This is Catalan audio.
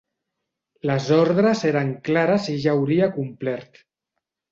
Les ordres eren clares i ja hauria complert.